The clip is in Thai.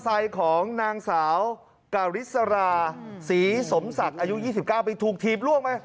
ของนางสาวการิสราศรีสมศักดิ์อายุ๒๙ปีถูกถีบล่วงไป